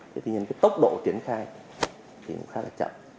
thế nhưng cái tốc độ triển khai thì cũng khá là chậm